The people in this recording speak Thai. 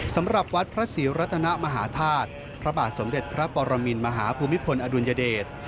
สำหรับวัดพระศรีรัตนมหาธาตุพระบาทสมเด็จพระปรมินมหาภูมิพลอดุลยเดช